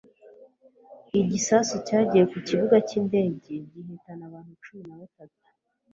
Igisasu cyagiye ku kibuga cyindege gihitana abantu cumi na batatu